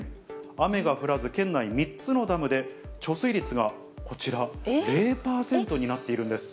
雨が降らず、県内３つのダムで、貯水率がこちら、０％になっているんです。